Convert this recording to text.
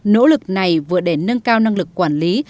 nỗ lực này vừa để nâng cao năng lực quản lý